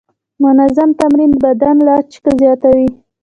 منظم تمرین د بدن لچک زیاتوي.